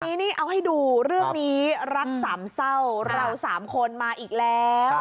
ทีนี้นี่เอาให้ดูเรื่องนี้รักสามเศร้าเราสามคนมาอีกแล้ว